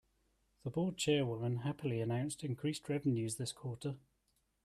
The board chairwoman happily announced increased revenues this quarter.